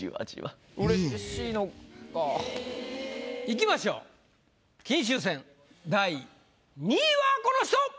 いきましょう金秋戦第２位はこの人！